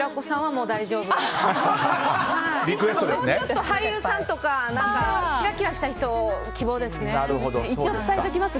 もうちょっと俳優さんとかキラキラした人を希望します。